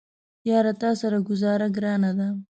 یاره تاسره ګوزاره ګرانه ده